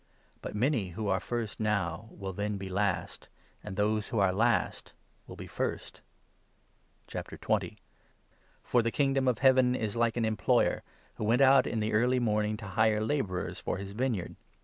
But many who 30 are first now will then be last, and those who are last will be first. For the Kingdom of Heaven is like an em i ployer who went out in the early morning to hire Parable labourers for his vineyard.